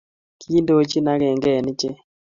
Kiindochin agenge eng iche